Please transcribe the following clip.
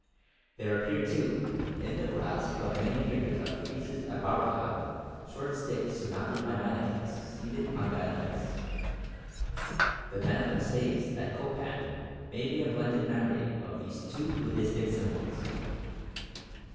There appear, too, in the grasp of many figures on the friezes at Bharahat short sticks surmounted by manikins seated on bannerets. The "manikin staves" at Copan may be a blended memory of these two Buddhistic symbols.